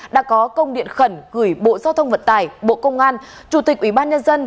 đã có công điện khẩn gửi bộ giao thông vận tải bộ công an chủ tịch ủy ban nhân dân